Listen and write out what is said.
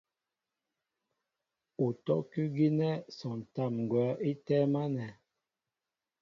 Utɔ́' kʉ́ gínɛ́ sɔntám ŋgwα̌ í tɛ́ɛ́m ánɛ̄.